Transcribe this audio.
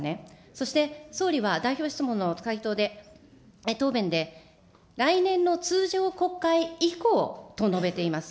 そして総理は代表質問の回答で、答弁で、来年の通常国会以降と述べています。